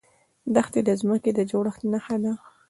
دښتې د ځمکې د جوړښت نښه ده.